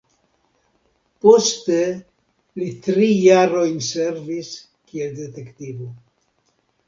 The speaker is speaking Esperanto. Poste li tri jarojn servis kiel detektivo.